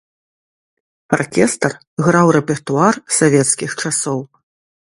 Аркестр граў рэпертуар савецкіх часоў.